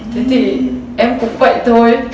thế thì em cũng vậy thôi